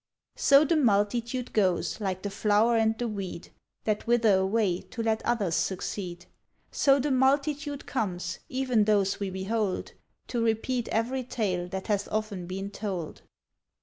So the multitude goes, like the flower and the weed That wither away to let others succeed; So the multitude comes, even those we behold, To repeat every tale that hath often been told.